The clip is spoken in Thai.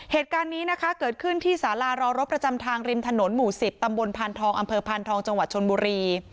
เหตุการณ์นี้นะคะเกิดขึ้นที่สารารอรบประจำทางริมถนนหมู่๑๐ตำบลพานทองอำเภอพานทองจังหวัดชนบุรี